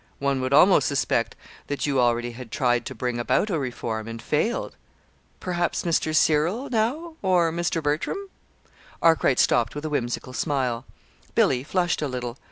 One would almost suspect that you already had tried to bring about a reform and failed. Perhaps Mr. Cyril, now, or Mr. Bertram " Arkwright stopped with a whimsical smile. Billy flushed a little.